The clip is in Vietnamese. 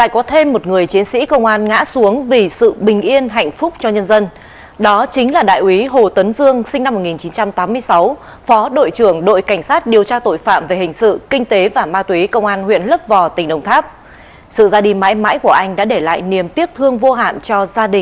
các bạn hãy đăng ký kênh để ủng hộ kênh của chúng mình nhé